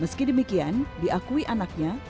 meski demikian diakui anaknya